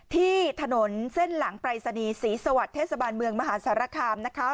ที่ถนนเส้นหลังปรายศนีย์ศรีสวรรค์เทศบาลเมืองมหาสารคามนะคะ